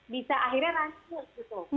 bisa akhirnya rancut gitu